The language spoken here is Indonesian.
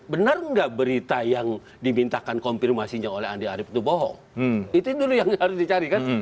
benar nggak berita yang dimintakan konfirmasinya oleh andi arief ini ya